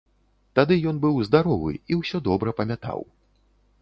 Тады ён быў здаровы і ўсё добра памятаў.